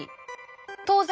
当然！